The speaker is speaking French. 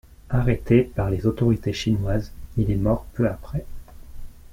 Arrêté par les autorités chinoises, il est mort peu après.